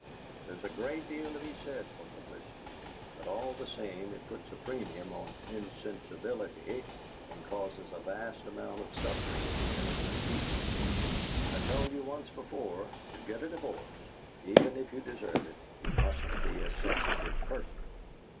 There's a great deal to be said for publicity, but all the same it puts a premium on insensibility, and causes a vast amount of suffering to innocent people. I told you once before, to get a divorce, even if you deserve it, you mustn't be a sensitive person.